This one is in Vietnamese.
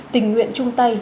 tình nguyện trung tay